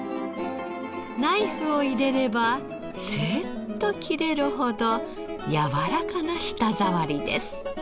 ナイフを入れればスッと切れるほどやわらかな舌触りです。